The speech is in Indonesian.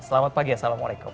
selamat pagi ya assalamualaikum